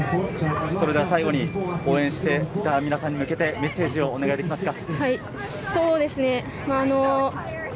最後に、応援していた皆さんに向けてメッセージをお願いできますか。